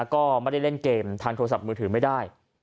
ก็ไม่ได้เล่นเกมทางโทรศัพท์มือถือไม่ได้